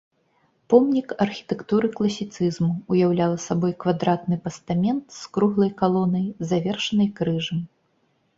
Помнік архітэктуры класіцызму, уяўляла сабой квадратны пастамент з круглай калонай, завершанай крыжам.